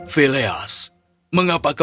filias mengapa kau baik baik saja